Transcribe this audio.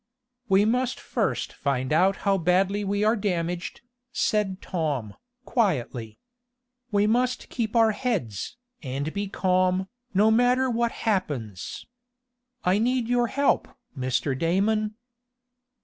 "We must first find out how badly we are damaged," said Tom, quietly. "We must keep our heads, and be calm, no matter what happens. I need your help, Mr. Damon."